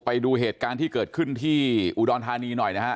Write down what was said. ไปดูเหตุการณ์ที่เกิดขึ้นที่อุดรธานีหน่อยนะฮะ